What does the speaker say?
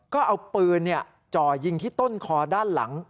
ก็เอาปืนจ่อยิงที่ต้นคอด้านหลัง